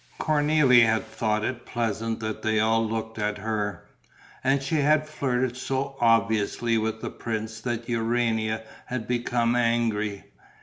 Cornélie had thought it pleasant that they all looked at her; and she had flirted so obviously with the prince that Urania had become angry.